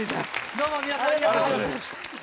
どうも皆さんありがとうございました。